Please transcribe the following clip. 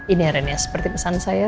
ini ya renia seperti pesan saya